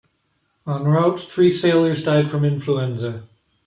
En route, three sailors died from influenza.